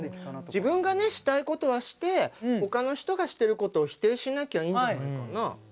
自分がねしたいことはして他の人がしてることを否定しなきゃいいんじゃないかな。